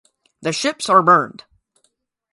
The ships are burned.